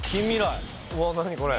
うわ何これ？